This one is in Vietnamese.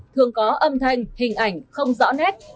thường có âm thanh hình ảnh không rõ nét